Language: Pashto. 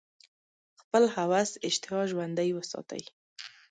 خپل هوس اشتها ژوندۍ وساتي.